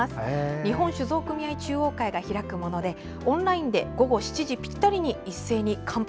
日本酒造組合中央会が開くものでオンラインで午後７時ぴったりに一斉に乾杯